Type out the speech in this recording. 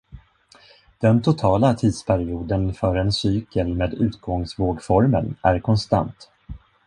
Den totala tidsperioden för en cykel med utgångsvågformen är konstant.